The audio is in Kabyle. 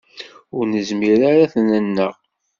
Ur nezmir ara ad t-nenneɣ.